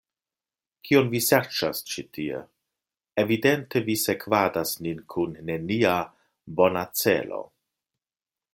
Kion vi serĉas ĉi tie? Evidente vi sekvadas nin kun nenia bona celo.